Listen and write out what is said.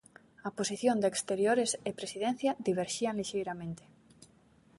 A posición de exteriores e presidencia diverxían lixeiramente.